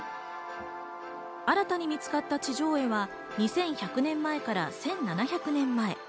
新たに見つかった地上絵は２１００年前から１７００年前。